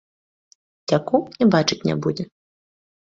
Уцяку, і бачыць не будзе!